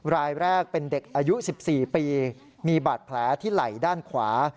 รายแรกเป็นเด็กอายุ๑๔ปีมีบาดแผลที่ไหล่ด้านขวา